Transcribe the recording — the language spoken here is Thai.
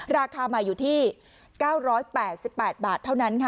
ราคาใหม่อยู่ที่๙๘๘บาทเท่านั้นค่ะ